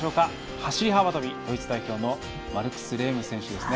走り幅跳びドイツ代表のマルクス・レーム選手です。